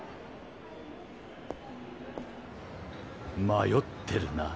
迷ってるな。